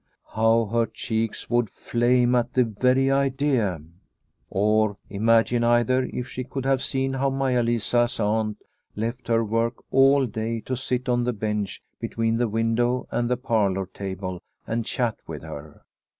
How her cheeks would flame at the very idea ! Or imagine either if she could have seen how Maia Lisa's aunt left her work all day to sit on the bench between the window and the par lour table and chat with her